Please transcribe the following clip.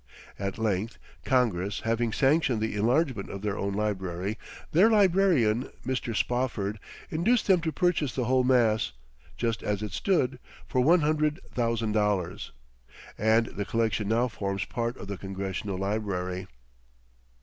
At length, Congress having sanctioned the enlargement of their own library, their librarian, Mr. Spofford, induced them to purchase the whole mass, just as it stood, for one hundred thousand dollars, and the collection now forms part of the Congressional library.